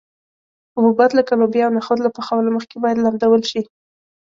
حبوبات لکه لوبیا او نخود له پخولو مخکې باید لمدول شي.